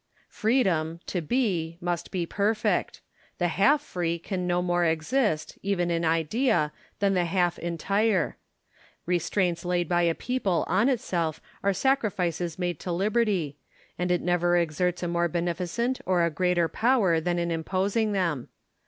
Freedom, to be, must be perfect : the half free can no more exist, even in idea, than the half entire. Restraints laid by a people on itself are sacrifices made to liberty ; and it never exerts a more beneficent or a greater power than in imposing them.